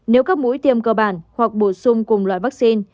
nếu các mũi tiêm cơ bản hoặc bổ sung cùng loại vắc xin